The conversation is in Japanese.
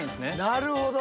なるほど！